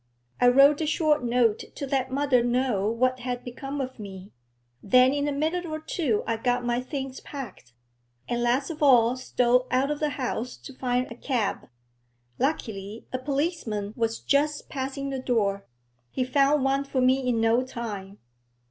I wrote a short note to let mother know what had become of me, then in a minute or two I got my things packed, and last of all stole out of the house to find a cab. Luckily, a policeman was just passing the door; he found one for me in no time.